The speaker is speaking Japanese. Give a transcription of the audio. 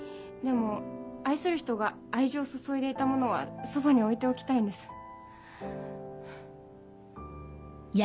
でも愛する人が愛情を注いでいたものはそばに置いておきたいんです。